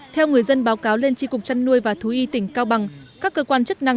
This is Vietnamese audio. theo người dân báo cáo lên tri cục chăn nuôi và thú y tỉnh cao bằng các cơ quan chức năng